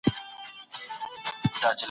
د ټکنالوجۍ کارول د ونو خطر مالوموي.